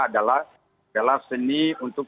adalah seni untuk